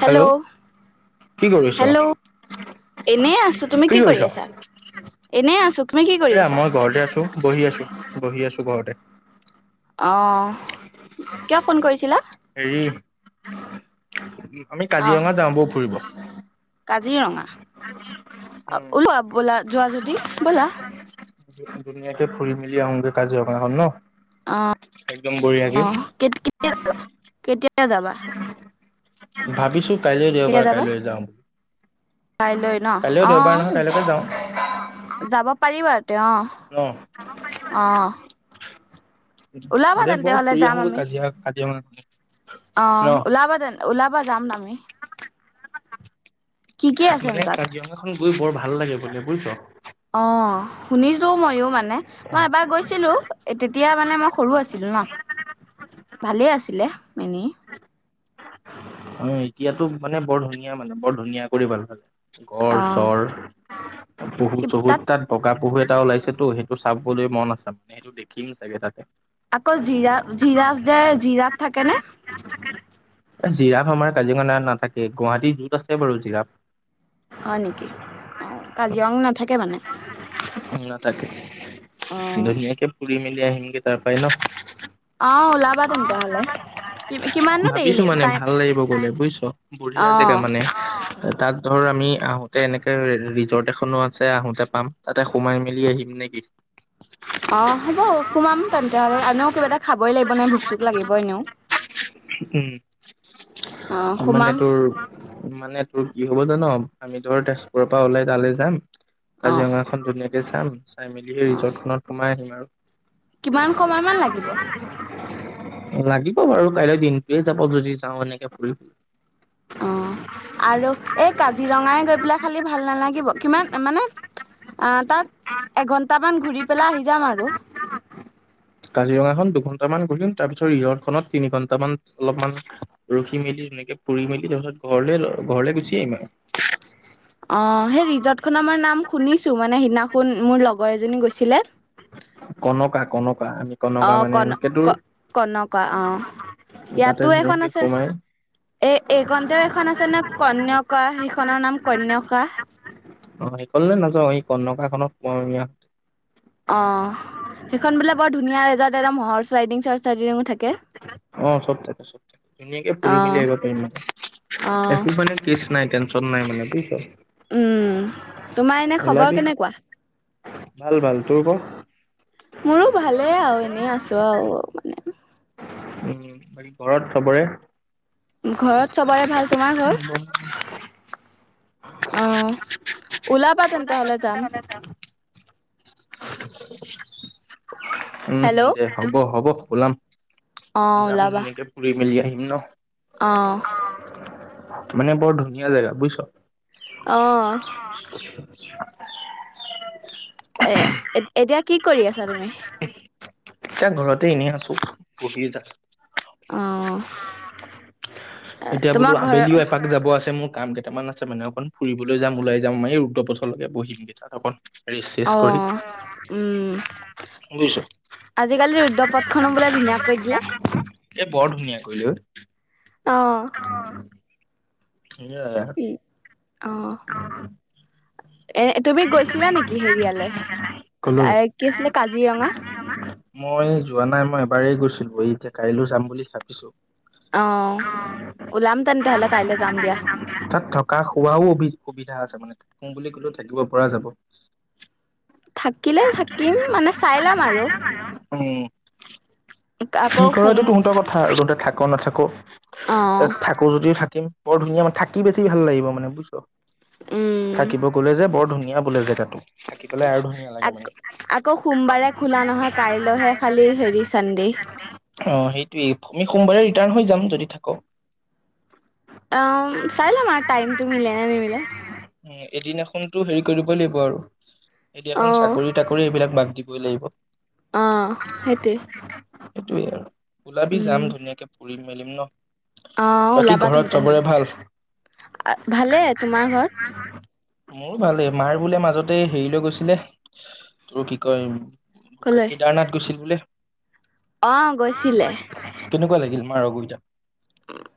Hello কি কৰিছ hello এনে আছো তুমি কি কৰি আছা এনে আছো তুমি কি কৰি এয়া আছা মই ঘৰতে আছো। বহি আছো বহি আছো ঘৰতে। অ কিয় ফোন কৰিছিলা? হেৰি আমি অ কাজিৰঙা যাওঁ বল ফুৰিব কাজিৰঙা উম ওলো বোলা যোৱা যদি ব'লা ধুনীয়াকে ফুুৰি মেলি অংগে কাজ হনাখন ন আহ একদম বঢ়িয়াকে আহ কেতিয়া যা কেতিয়া যাবা ভাবিছো কাইলৈ দেওবাৰ কাইলৈ যাওঁ কাইলৈ ন কাইলৈ অ দেওবাৰ নহয় কাইলৈকে যাওঁ তেওঁ ন অ ওলাবা দে তেন্তে বৰ হলে ফুৰি যাম আহোগৈ আমি কাজিয়া কাজিৰঙা উম অ ওলাবা য ওলাবা যাম আমি কি কি আছেনো মানে তাত কাজিৰঙাখন গৈ বৰ ভাল ভাল লাগে বোলে বুজিছ অ শুনিছো মইয়ো মানে মই এবাৰ গৈছিলো তেতিয়া মানে মই সৰু আছিলো ন ভালেই আছিলে এনেই অ এতিয়াতো মানে বৰ ধুনীয়া মানে বৰ ধুনীয়া কৰি ভাল ভালে ঘৰ অ চৰ পহু-চহুৰ তাত বগা পহুৱ টা ওলাইছেতো, সেইটো চাবলৈ মন আছে মানে সেইটো দেখিম চাগে তাতে আকৌ জিৰা, জিৰাফ যে জিৰাফ থাকে নে? অজ জিৰাফ আমাৰ কাজিৰঙাত নাথাকে, গুৱাহাটীৰ জুত আছে বাৰু জিৰাফ। হয় নেকি, অ' কাজিৰঙ নাথাকে মানে? ওম নাথাকে অ ধুনীয়াকে ফুৰিম [unintelligible] অ' ওলাবা তেন্তে হলে, কি কিমাননো দেৰি ভাবিছো লাগিব মানে টাইম? ভাল লাগিব গ'লে বুজিছোঁ, অ বুঢ়িয়া জেগা মানে, অ'। তাত ধৰ আমি আহোতে এনেকে ৰিজৰ্ট এখনো আছে আহোতে পাম, তাতে সোমাই মেলি আহিম নেকি? অ' হ'ব সুমাম। তেন্তে হলে আনেও কিবা এটা খাবই লাগিব নাই ভোক চোক লাগিবই এনেও উম অ', মানে সোমাম। তোৰ মানে তোৰ কি হ'ব জান আমি ধৰ তেজপুৰৰ পৰা ওলাই তালে যাম। অ কাজিৰঙাখন ধুনীয়া [inaudible] চাই মেলি সেই অ ৰিজৰ্টখন সোমাই আহিম আৰু। কিমান সময় মান লাগিব? লাগিব বাৰু কাইলৈ দিনটোৱে যাব যদি যাওঁ এনেকে ফুৰিব। অ', আৰু এই কাজিৰঙাই গৈ পেলাই খালি ভাল নালাগিব, কিমান মানে অঁ', তাত এঘন্টামান ঘূৰি পেলাই আহি যাম আৰ। [inaudible] কাজিৰঙা খন দুঘন্টামান গ়িম তাৰ পিছত ৰিহৰ্ট খনত তিনি ঘন্টামান অলপমান ৰখি মেলি ধুনেকে পু মেলি তাৰপিছত ঘৰলে ঘৰলৈ গুচি আহম আৰু [inaudible] অ', সেই ৰিজৰ্ট খনৰ নাম শুনিছো মানে সিদিনাখন মোৰ লগৰ এজনী গৈছিলে কনকা কন অ', কন ক কনকা অ তাতে ইয়াতো এখন ধুনীয়াকে আছে সোমাই এই এইখনতেও এখন আছে নে কন্য কোৱা সিখনৰ নাম কন্যকা অ', সেই কলে নাযাওঁ এই কনকাখন সখন বোলে বৰ ধুনীয়া ৰিজৰ্ট একদম হৰ্চ ৰাইডিং ৰাইডিঙো থাকে অ চব থাকে চব থে ধুনীয়াকে অ ফুৰি মেলি আহব অ পাৰিম একো মানে কেচ নাই ত নাই মানে বুজছ উম তোমাৰ এনে খবৰ ওলাবি কেনেকুৱা ভাল ভাল তোৰ ক মোৰো ভালেই আৰু এনেই আছো আৰু মানে উম বাকী ঘৰত চবৰে ঘৰত চবৰে ভাল তোমাৰ ঘৰ আহ ওলাবা তেন্তে হলে যাম উম উম হেল্ল' দে হ'ব হ'ব পলম অ যাম ওলাবা দুনীয়া কে পুৰি মিল যায় আ ন অ মানে বৰ ধুনীয়া জেগা বুজিছ আহ [unintelligible] অ এতিয়া কি কৰি আছা তুমি এতিয়া ঘৰতে এনেই আছো বহিয়ে যা অ এতিয়া বোলো তোমাৰ ঘৰ আবেলিও এপাক যাব আছে মোক কাম কেইটামান আছে মানে অকণ ফুৰিবলৈ যাম ওলাই যাম মম এই ৰুদদ্ধ বছৰলৈকে বহিমগেই তাত অকণ ৰিচ অ কৰি উম বুজিছ আজিকালি ৰুদ্ৰপথখনো বোলে ধুনীয়া কৈ দিলে বৰ ধুনীয়া কলোঐ অ অহ সয় অ' এ তুমি গৈছিলা নেকি হেৰিয়ালৈ কি আছিলে কাজিৰঙা মই যোৱা নাই মই এবাৰেই গৈছিলো এই এতিয়া কাইলৈ যাম বুলি ভাবিছো আহ ওলাম তেনে তেয়াহলে কাইলৈ যাম দিয়া তাত থকা খোৱাও সুবিধা আছে মানেম বুলি ক'লেও থাকিব পৰা যাব থাকিলে থাকিম মানে চাই লাম আৰু উম কি আকৌ কৰা সোম এইটো তহঁতৰ কথা আৰু তহতে থাকো নাথাকো অ ত থাকো যদিও থাকিম বৰ ধুনীয়াানে থাকি বেছি ভাল লাগিব মানে বুইচ উম থাকিব গলে যে বৰ ধুনীয়া [inaudible] থাকি পাই আৰু ধুনীয়া লাগে আক মানে আকৌ সোমবাৰে খোলা নহয় কাইলৈহে খালি হেৰি চানডে অ সেইটোয়েই ভূমি সোমবাৰে হৈ যাম যদি থাক অ চাই লম তাইমতো মিলাই নিমিলে উ এদিনাখনতো হেৰি কৰিব লাগিব আৰু এতিয়াখন চাকৰি তাকৰি এইবিলাক বাক দিবই লাগিব অহ সেইটোৱে সেইটোৱে আৰু ওলাবি যাম উম ধুনীয়াকে ফুৰিম। মিলিম ন অ বাকী ওলাবা ঘৰত তেন্তে হ'লে চবৰে ভাল ভালে তোমাৰ ঘৰত মোৰ ভালেই মাৰ বোলে মাজতে হেৰি লৈ গৈছিলে তোৰ কি কয় কেদাৰনাথ গৈছিল বোলে অহ গৈছিলে কেনেকুৱা লাগিল মাৰ গোৰকেইটা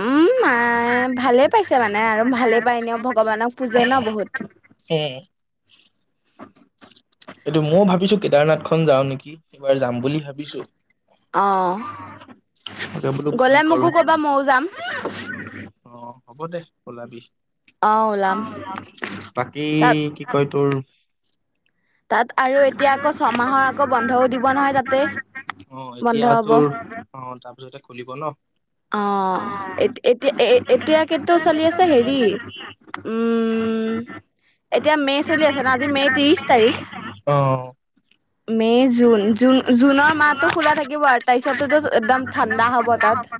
উম মায়ে ভালেই পাইছে মানে আৰু। ভালে পাই ন ভগৱানক পুজে ন বহুত উম এইটো ময়ও ভাবিছোঁ কেদাৰনাথখন যাও নেকি এইবাৰ যাম বুলি ভাবিছোঁ অ এতিয়া বোলো কি গলে কৰো। মোকো কবা ময়ো যাম অ হ'ব দে ওলাবি অ ওলাম বাকী তাত কি কয় তোৰ তাত আৰু এতিয়া আকৌ ছমাহৰ আকৌ বন্ধও দিব নহয় তাতে অ বন্ধ এতিয়া হ'ব তোৰ অ তাৰ পিছতে খুলিব ন অ এ এতিয়া এ এতিয়া কেতিয়া। চলি আছে হেৰি উম, এতিয়া মে' চলি আছে ন আজি মে' ত্ৰিশ তাৰিখ। অ মে, জুন-জুন-জুনৰ মাহটো খোলা থাকিব আৰু তাৰপিছততো একদম ঠাণ্ডা হ'ব তাত।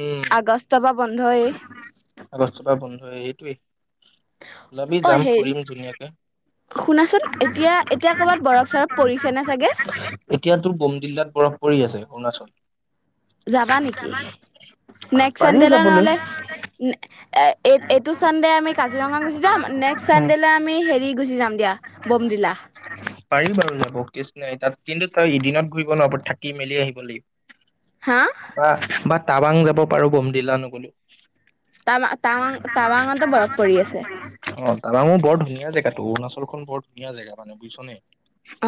উম আগষ্টৰ পৰা বন্ধয়েই। আগষ্টৰ পৰা বন্ধই সেইটোৱেই, ওলাবি অ যাম হেৰি ফুৰিম ধুনীয়াকে। শুনাচোন এতিয়া, এতিয়া কৰ'বাত বৰফ চৰফ পৰিছে নে চাগে? এতিয়াতো বোমদিল্লাত বৰফ পৰি আছে, অৰুণাচল। যাবা নেকি? নেক্স পাৰি চানডেলে যাবলৈ। নহলে এ, এই এইটো চানডে আমি কাজিৰঙা গুচি যাম নেক্সট অ চানডেলে আমি হেৰি গুচি যাম দিয়া, বমদিলা। পাৰিম বাৰু যাব কেচ নাই তাত, কিন্তু তই এদিনত ঘূৰিব নোৱাৰ', থাকি মেলি আহিব লাগিব। হা বাহ বাট। টাৱাং যাব পাৰো বমডিল্লা নগলেওঁ। টাৱাং, টাৱাং, টাৱাঙটো বৰফ পৰি আছে। অ'। টাৱাং ও বৰ ধুনীয়া জেগাটো, অৰুণাচলখন বৰ ধুনীয়া জেগা মানে বুইছ নে?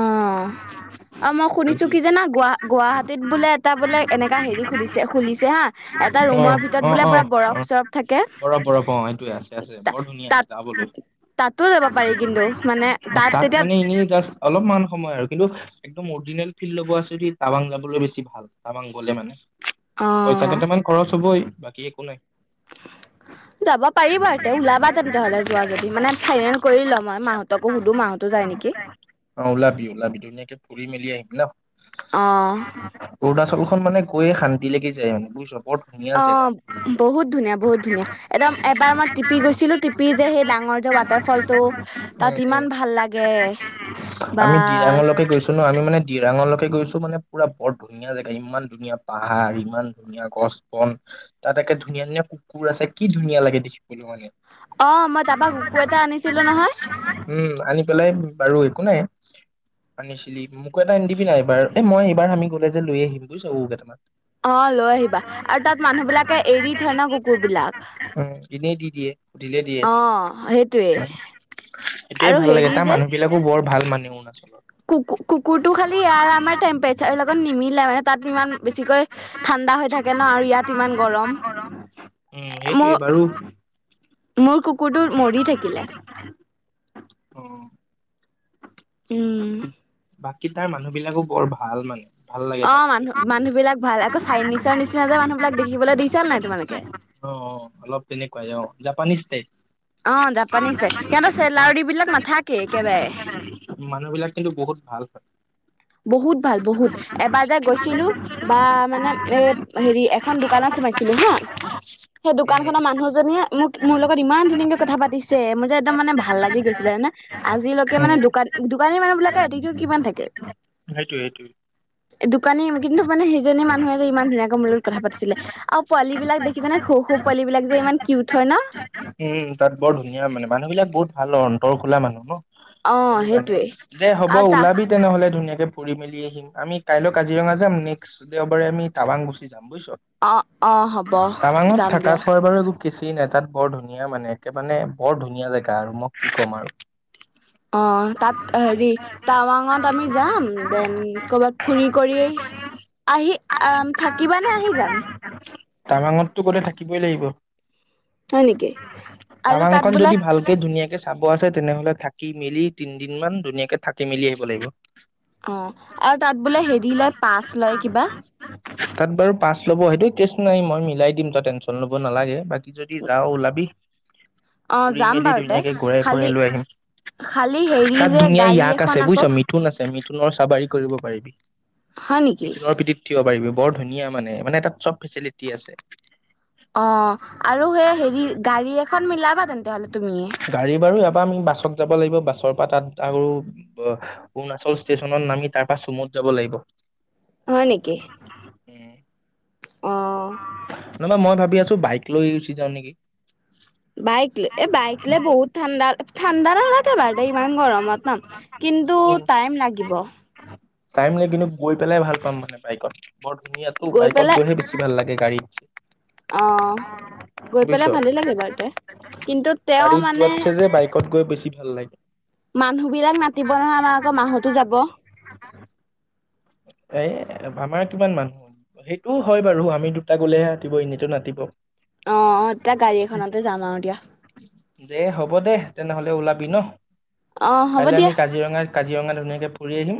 অ' অ', মই শুনিছো কি জানা গুৱাহাটীত বোলে এটা বোলে এনেকা হেৰি সুধিছে খুলিছে হা এটা অ ৰুমৰ ভিতৰত অ বোলে অ পুৰা বৰফ চৰফ থাকে বৰফ, বৰফ অ' এইতোৱে আছে আছে, বৰ ধুনীয়া তাত যাবলৈ। তাতো যাব পাৰি কিন্তু মানে তাত তেতিয়া মানে এনেই জাষ্ট অলপমান সময় আৰু কিন্তু [unintelligible] [unintelligible] ফিল লব আছে যদি টাৱাং যাম। [unintelligible] বেছি ভাল টাৱাং গলে মানে। অ পইচা কেইটামান খৰচ হবই। বাকী একো নাই। যাব পাৰিবা তে ওলাবা তেন্তে হলে যোৱা যদি মানে ফাইনেল কৰি লম মই মাহঁতকো সুধো মাহঁতো যায় নেকি। অ ওলাবি ওলাবি ধুনীয়াকে ফুৰি মেলি আহিম ন অ'। অৰুণাচলখন মানে গৈয়ে শান্তি লাগি যায় মানে বুইছ? অ' বহুত [unintelligible] ধুনীয়া বহুত ধুনীয়া, একদম এবাৰ মই টিপি গৈছিলো, টিপি যে সেই ডাঙৰ যে ৱাটাৰফলটো উম তাত উম ইমান ভাল লাগে, বা। আমি দিৰাঙলৈকে গৈছো ন আমি মানে দিৰাঙলৈকে গৈছো মানে পুৰা বৰ ধুনীয়া জেগা ইমান ধুনীয়া পাহাৰ ইমান ধুনীয়া গছ-বন তাত একে ধুনীয়া ধুনীয়া কুকুৰ আছে কি ধুনীয়া লাগে দেখি। অ মই তাৰপা কুকুৰ এটা [unintelligible] আনিছিলো নহয় উম, আনি পেলাই বাৰু একো নাই। আনিছিলি, মোকো এটা আনি দিবি না এইবাৰ, এ মই এইবাৰ আমি গ'লে যে লৈয়ে আহিম বুজিছ কুকুৰ কেইটামান। অ' লৈ আহিবা আৰু তাত মানুহ বিলাকে এৰি থয় ন কু উ, এনেই দি দিয়ে, সুধিলে দিয়ে। অ সেইটোৱে উ, সেইটোয়ে আৰু ভাল লাগে তাৰ মানুহ বিলাকো বৰ ভাল মানে অৰুণা কুক কুকুৰটো খালি ইয়াৰ আমাৰ টেম্পৰেচাৰ লগত নিমিলে মানে তাত ইমান বেছিকৈ ঠাণ্ডা হৈ থাকে ন আৰু ইয়াত ইমান গৰম। উম মোৰ, সেইটোৱে বাৰু মোৰ কুকুৰটো মৰি থাকিলে। অ'। উম। বাকী তাৰ মানুহ বিলাকো বৰ ভাল মানে। ভাল লাগে অ তাত, মানুহ মানুহ বিলাক ভাল আকৌ চাইনিজৰ নিচিনা যে মানুহ বিলাক দেখিবলৈ দেখিছা নাই তোমালোকে [unintelligible] অ'। অলপ তেনেকুৱাই অ', জাপানিজ টাইপ। অ', জাপানিছ টাইপ, সিহঁতৰ চেলাউৰি বিলাক নাথাকে একেবাৰে। মানুহ বিলাক কিন্তু বহুত ভাল। [unintelligible] বহুত ভাল বহুত, এবাৰ যে গৈছিলো বা মানে এ হেৰি এখন দোকানত সোমাইছিলো হা, সেই দোকান উম। খনৰ মানুহজনীয়ে মোক মোৰ লগত ইমান ধুনীয়াকে কথা পাতিছে মোৰ যে একদম মানে ভাল লাগি গৈছিলে, আজিলৈকে মানে, উম দোকান-দোকানীৰ মানুহ বিলাকে এটিতিউদ কিমান থাকে। সেইটোৱে সেইটোৱে দোকানী কিন্তু মানে সেইজনী মানুহে যে ইমান ধুনীয়াকৈ মূ লগত কথা পাতিছিলে আৰু পোৱালীবিলাক দেখিছোনে সৰু সৰু পোৱালীবিলাক যে ইমান কিউট হয় ন? উম তৰ খোলা মানুহ। অ সেইটো কাৰণে, সেইটোৱে দে হ'ব আৰু তা ওলাবি তেনেহলে ধুনীয়াকে ফুৰি মেলি আহিম, আমি কাইলৈ কাজিৰঙা যাম নেক্সট দেওবাৰে আমি টাৱাং গুচি যাম। যাম বুজিছ, অ অ হ'ব টাৱাঙত যাম থকা দিয়া খোৱাৰ বাৰ কি চি নাই তাত বৰ ধুনীয়া মানে একে মানে বৰ ধুনীয়া জেগা আৰু মই কি ক'ম আৰু। অ তাত হেৰি টাৱাঙত আমি যাম দেন কৰ'বাত ফুৰি কৰিয়ে আহি আহ থাকিবা নে আহি যাম? টাৱাংটতো গলে থাকিবই লাগিব। হয় নেকি আৰু টাৱাংখন তাত বোলা যদি ভালকে ধুনীয়াকে চাব আছে তেনেহলে থাকি মেলি তিনিদিন মান ধুনীয়াকে থাকি মেলি আহিব লাগিব। অ আৰু তাত বোলে হেৰি লয় পাচ লয় কিবা তাত বাৰু পাঁচ ল'ব [unintelligible] কেচ নাই মই মিলাই দিম তই টেনচন ল'ব নালাগে। যদি যাও ওলাবি। অ ফুৰি যাম মেলি বাৰু তে ধুনীয়াকে ঘূৰাই খালি ফুৰাই লৈ আহিম খালি হেৰি তাত যে ধুনীয়া গাড়ী ইয়াক এখন আছে আকৌ বুজিছ মিথুন আছে মিথুন পুনৰ চাবাৰি কৰিব পাৰি বি হয় নেকি মিথুনৰ পিঠিত থিয় হব পাৰিব বৰ ধুনীয়া মানে মানে তাত চব ফেচিলিটি আছে। অ আৰু সেই হেৰি গাড়ী এখন মিলাবা তেন্তে হলে তুমিয়ে। গাড়ী বাৰু ইয়াৰ পৰা আমি বাছত যাব [unintelligible] আৰু অৰুণাচল ষ্টেচনত নামি তাৰ পৰা চুমত যাব লাগিব। হয় নেকি? [unintelligible] অহ। ৰবা মই ভাবি আছো বাইক লৈ উচি যাওঁ নেকি। বাইক লৈ এই বাইকলে বহুত ঠাণ্ডা ঠাণ্ডা নালাগে বাৰু দেই ইমান গৰমত ন কিন্তু টাইম লাগিব। টাইম লাগে কিন্তু গৈ পেলাই ভাল পাম মানে বাইকত। বৰ ধুনীয়াটো গৈ বাইকত পেলাই গৈহে বেছি ভাল লাগে গাড়ীত। অ গৈ বুজিছ পেলাই ভালেই লাগে বাৰুতে। কিন্তু তেওঁ মানে কত গৈ বেছি ভাল লাগে? মানুহ বিলাক মাতিব নহয় আমাৰ আকৌ মাহহঁতো যাব। এ আমাৰ কিমান মানুহ সেইটো হয় বাৰু আমি দুটা গলেহে আতিব এনেতো নাতিব। অ তেতিয়া গাড়ী এখনতে যাম [unintelligible] আৰু দিয়া দে হ'ব দে তেনেহলে ওলাক। বিনো অ হ'ব কাইলৈ দিয়া আমি কাজিৰঙা কাজিৰঙা ধুনীয়াকে ফুৰি আহিম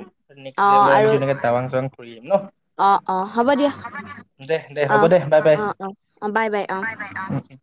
অ নেক্ম দেওবাৰ আমি আৰু ধুনীয়াকে হাংজাং কৰি ন অ হ'বদে দে দে অ হ'ব দে বাই বাই। অ অ অ বাই অ বাই বাই অ।